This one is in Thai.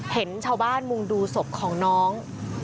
เห็นชาวบ้านมุงดูศพของน้อง